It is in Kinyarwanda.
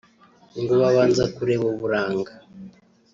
ngo babanza kureba uburanga